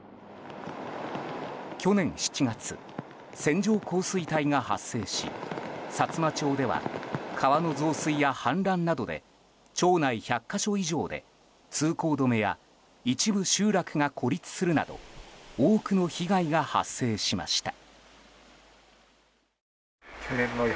去年７月、線状降水帯が発生しさつま町では川の増水や氾濫などで町内１００か所以上で通行止めや一部集落が孤立するなど多くの被害が発生しました。